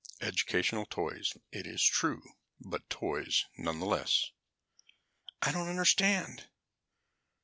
Educational toys, it is true, but toys, nevertheless." "I don't understand."